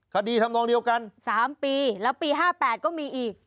คดีทำนองเดียวกัน๓ปีแล้วปี๕๘ก็มีอีก